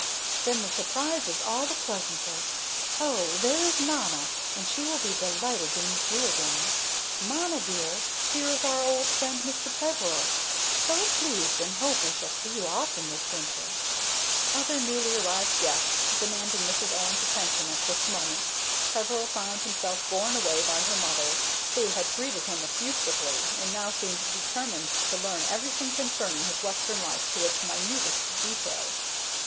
Then the surprise is all the pleasanter. Oh! there is mamma, and she will be delighted to meet you again. Mamma, dear, here is our old friend, Mr. Peveril. So pleased, and hope we shall see you often this winter." [Illustration: PEVERIL FINDS MARY AGAIN] Other newly arrived guests demanding Mrs. Owen's attention at this moment, Peveril found himself borne away by her mother, who had greeted him effusively, and now seemed determined to learn everything concerning his Western life to its minutest details.